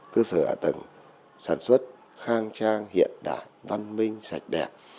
cơ sở hạ tầng sản xuất khang trang hiện đại văn minh sạch đẹp